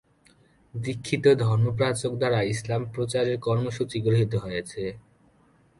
দীক্ষিত ধর্মপ্রচারক দ্বারা ইসলাম প্রচারের কর্মসূচি গৃহীত হয়।